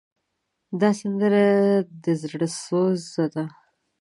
دا سندره زړوسوزه ده.